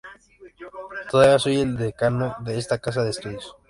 Todavía soy el decano de esta casa de estudios".